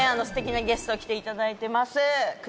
すてきなゲスト来ていただいてます。